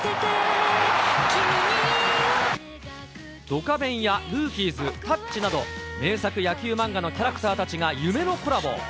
ドカベンやルーキーズ、タッチなど、名作野球漫画のキャラクターたちが夢のコラボ。